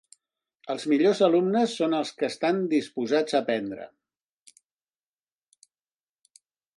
Els millors alumnes són els que estan disposats a aprendre.